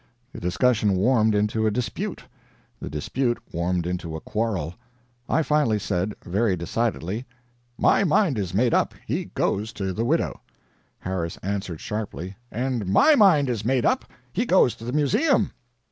The discussion warmed into a dispute; the dispute warmed into a quarrel. I finally said, very decidedly: "My mind is made up. He goes to the widow." Harris answered sharply: "And MY mind is made up. He goes to the Museum."